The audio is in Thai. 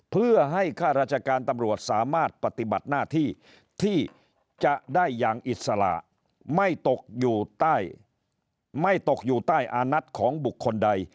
เพื่อให้ข้าราชการตำรวจสามารถปฏิบัติหน้าที่ที่จะได้อย่างอิสระไม่ตกอยู่ใต้ไม่ตกอยู่ใต้อานัทของบุคคลใด